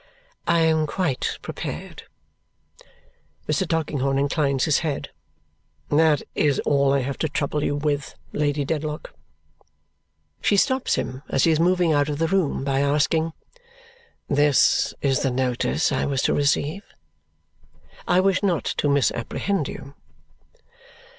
"I am quite prepared." Mr. Tulkinghorn inclines his head. "That is all I have to trouble you with, Lady Dedlock." She stops him as he is moving out of the room by asking, "This is the notice I was to receive? I wish not to misapprehend you."